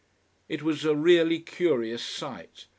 It was a really curious sight.